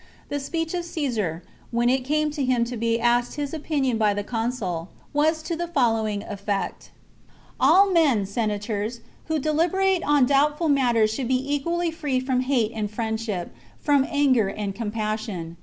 The speech of Caesar, when it came to him to be asked his opinion by the consul, was to the following effect :— "All men, Senators, who deliberate on doubtful chap. LI. matters should be equally free from hate and friend ship, from anger and compassion.